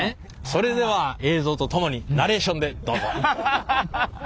それでは映像と共にナレーションでどうぞ。